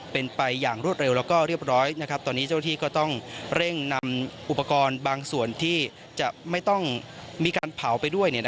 เป็นไปอย่างรวดเร็วแล้วก็เรียบร้อยตอนนี้เจ้าที่ก็ต้องเร่งนำอุปกรณ์บางส่วนที่จะไม่ต้องมีการเผาไปด้วย